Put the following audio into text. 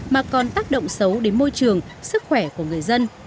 mà còn tác động xấu đến môi trường sức khỏe của người dân